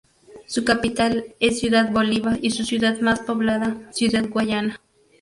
Su capital es Ciudad Bolívar y su ciudad más poblada, Ciudad Guayana.